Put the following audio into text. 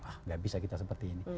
ah nggak bisa kita seperti ini